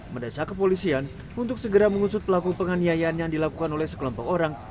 mendesak kepolisian untuk segera mengusut pelaku penganiayaan yang dilakukan oleh sekelompok orang